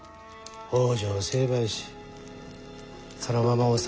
北条を成敗しそのまま治めよ。